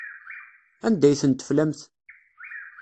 Anda ay tent-teflamt?